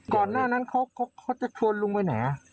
ก่อนหน้านั้นเขาจะชวนลุงไปไหน